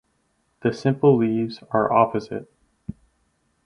The simple leaves are opposite.